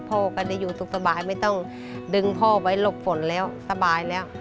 พ่อก็จะอยู่สุขสบายไม่ต้องดึงพ่อไว้หลบฝนแล้วสบายแล้ว